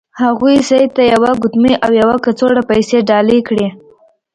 هغوی سید ته یوه ګوتمۍ او یوه کڅوړه پیسې ډالۍ کړې.